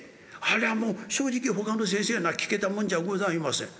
ありゃもう正直ほかの先生のは聴けたもんじゃございません。